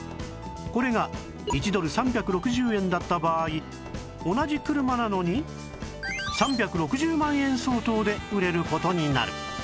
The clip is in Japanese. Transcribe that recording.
これが１ドル３６０円だった場合同じ車なのに３６０万円相当で売れる事になる